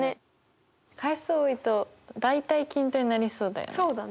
回数多いと大体均等になりそうだよね。